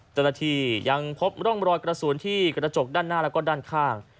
เจ้าหน้าที่ยังพบร่องรอยกระสุนที่กระจกด้านหน้าแล้วก็ด้านข้าง